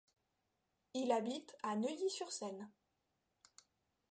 Il habite à Neuilly-sur-Seine.